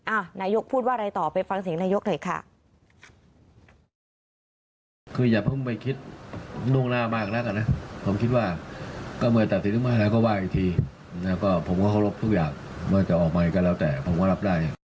นายกพูดว่าอะไรต่อไปฟังเสียงนายกหน่อยค่ะ